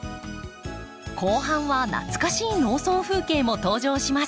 後半は懐かしい農村風景も登場します。